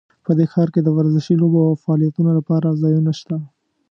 په دې ښار کې د ورزشي لوبو او فعالیتونو لپاره ځایونه شته